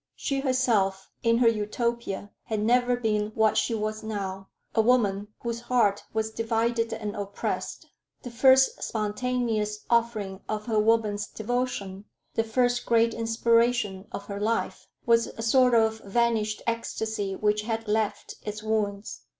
She, herself, in her Utopia, had never been what she was now a woman whose heart was divided and oppressed. The first spontaneous offering of her woman's devotion, the first great inspiration of her life, was a sort of vanished ecstasy which had left its wounds.